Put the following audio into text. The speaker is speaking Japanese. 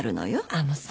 あのさ。